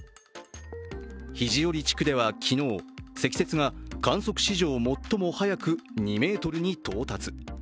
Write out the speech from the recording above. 肘折地区では昨日、積雪が観測史上最も早く２ｍに到達。